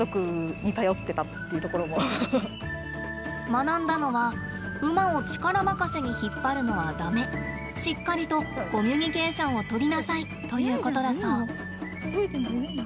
学んだのは馬を力任せに引っ張るのは駄目しっかりとコミュニケーションを取りなさい、ということだそう。